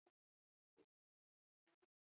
Partida tristea jokatu du talde gorritxoak.